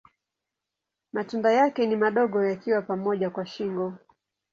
Matunda yake ni madogo yakiwa pamoja kwa shingo.